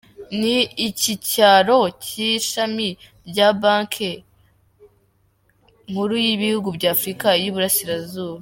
Ni ikicyaro cy’ ishami rya banki nkuru y’ ibihugu by’ Afurika y’ iburasirazuba.